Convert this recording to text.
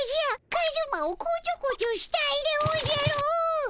カズマをこちょこちょしたいでおじゃる。